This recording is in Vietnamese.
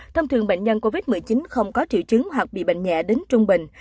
thông thường bệnh nhân covid một mươi chín không có triệu chứng hoặc bị bệnh nhẹ đến trung bình